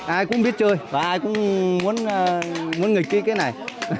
ai cũng biết chơi và ai cũng muốn nghịch cái này